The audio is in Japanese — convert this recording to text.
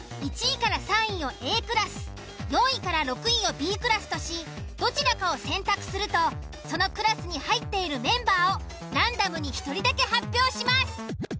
１位３位をＡクラス４位６位をＢクラスとしどちらかを選択するとそのクラスに入っているメンバーをランダムに１人だけ発表します。